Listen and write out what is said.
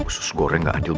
susus goreng ga adil sih